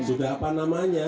sudah apa namanya